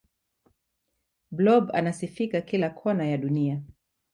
blob anasifika kila kona ya dunia